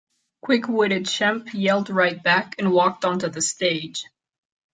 Quick-witted Shemp yelled right back, and walked onto the stage.